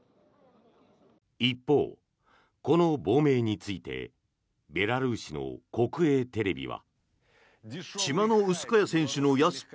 一方、この亡命についてベラルーシの国営テレビは。